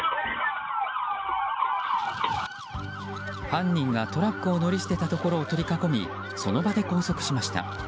犯人がトラックを乗り捨てたところを取り囲みその場で拘束しました。